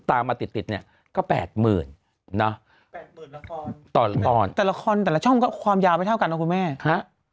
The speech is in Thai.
ตอนละครแต่ละครแต่ละช่องก็ความยาวไม่เท่ากันนะคุณแม่ฮะ